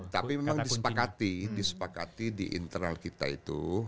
tapi memang disepakati disepakati di internal kita itu